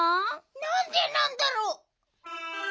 なんでなんだろう。